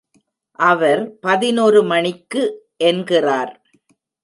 அவர் பதினொரு மணிக்கு என்கிறார்.